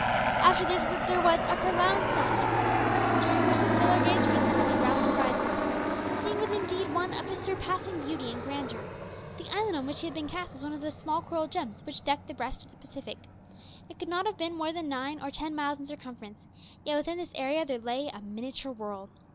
After this there was a prolonged silence, during which the sailor gazed wistfully round the horizon. The scene was indeed one of surpassing beauty and grandeur. The island on which he had been cast was one of those small coral gems which deck the breast of the Pacific. It could not have been more than nine or ten miles in circumference, yet within this area there lay a miniature world.